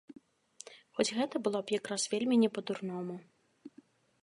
Хоць гэта было б якраз вельмі не па-дурному.